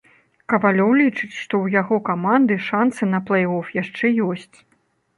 Кавалёў лічыць, што ў яго каманды шанцы на плэй-оф яшчэ ёсць.